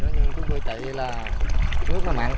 nếu như tôi chạy là nước nó mặn